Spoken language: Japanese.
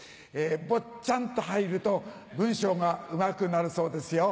ボッチャンと入ると文章がうまくなるそうですよ。